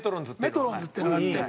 メトロンズっていうのがあって。